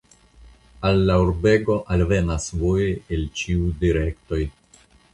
Al la urbego alvenas vojoj el ĉiuj direktoj.